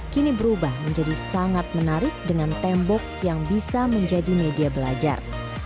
kini berubah menjadi sangat menarik dengan tembok yang bisa menjadi media belajar